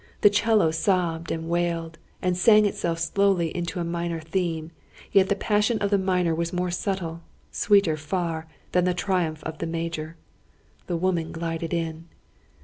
The 'cello sobbed, and wailed, and sang itself slowly into a minor theme; yet the passion of the minor was more subtle, sweeter far, than the triumph of the major. The woman glided in.